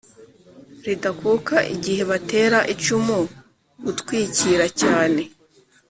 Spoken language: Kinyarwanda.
ridakuka igihe batera icumu gukwikira cyane